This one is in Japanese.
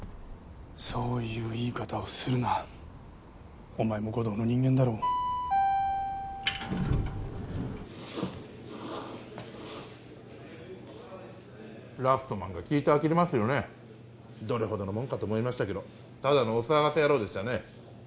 そういう言い方をするなお前も護道の人間だろ「ラストマン」が聞いてあきれますよねどれほどのもんかと思いましたけどただのお騒がせ野郎でしたね